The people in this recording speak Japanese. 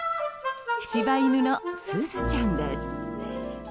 柴犬の、すずちゃんです。